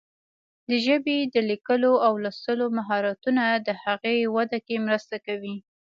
د ژبې د لیکلو او لوستلو مهارتونه د هغې وده کې مرسته کوي.